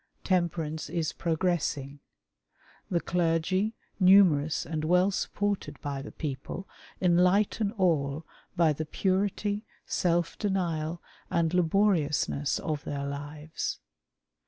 Temperance is progressing. The clergy, numerous and well supported by the people, enlighten all by the purity, self denial, and laboriousness of theii' lives.